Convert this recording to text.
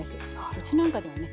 うちなんかではね